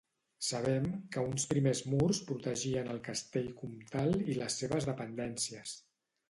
Sabem que uns primers murs protegien el castell comtal i les seves dependències.